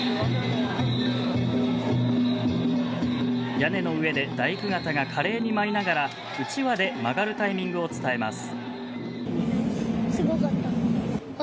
屋根の上で大工方が華麗に舞いながらうちわで曲がるタイミングを伝えます。